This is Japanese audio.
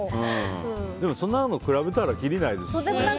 でもそんなの比べたら切りないですしね。